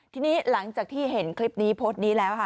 ทีนี้หลังจากที่เห็นคลิปนี้โพสต์นี้แล้วค่ะ